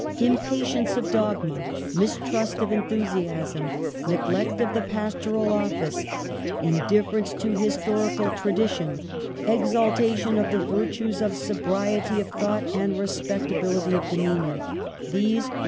Impatience of dogma ; mistrust of enthusiasm ; neglect of the pastoral office ; indifference to historical trac^tion ; exaltation of the virtues of sobriety of thought and respectability of demeanour ; these were the out ^ C